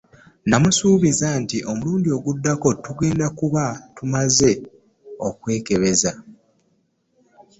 Namusuubiza nti omulundi oguddako tugenda kuba tumaze okwekebeza.